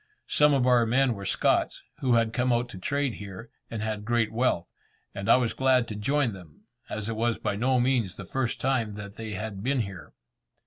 Some of our men were Scots, who had come out to trade here, and had great wealth, and I was glad to join them, as it was by no means the first time that they had been here.